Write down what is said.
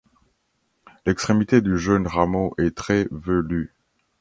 L'extrémité du jeune rameau est très velue.